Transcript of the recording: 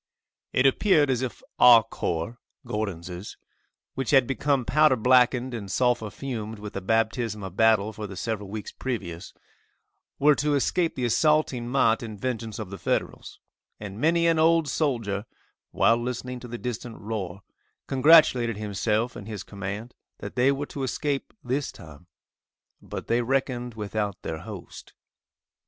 It appeared as if our corps, (Gordon's,) which had become powder blackened and sulphur fumed with the baptism of battle for the several weeks previous, were to escape the assaulting might and vengeance of the Federals, and many an old soldier, while listening to the distant roar, congratulated himself and his command that they were to escape this time. But they reckoned without their host.